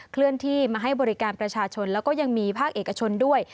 เคลื่อนที่มาให้บริการประชาชนแล้วก็ยังมีภาคเอกชนด้วย